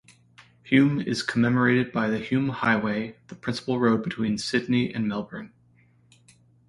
Hume is commemorated by the Hume Highway, the principal road between Sydney and Melbourne.